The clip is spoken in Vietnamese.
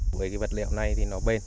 với cái vật liệu này thì nó bền